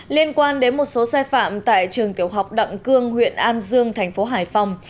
liên quan đến một số sai phạm tại trường tiểu học đặng cương huyện an dương thành phố hải phòng